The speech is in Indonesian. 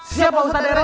siap pak ustadz rw